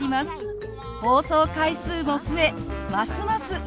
放送回数も増えますます